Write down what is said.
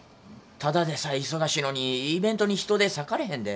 ただでさえ忙しいのにイベントに人手割かれへんで。